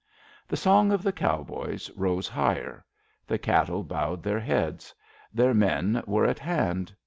The song of the cowboys rose higher. The cattle bowed their heads. Their men were at hand.